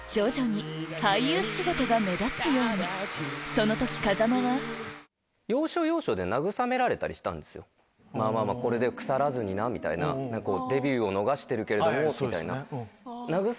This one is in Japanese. その時風間は「これで腐らずにな」みたいな。「デビューを逃してるけれども」みたいな。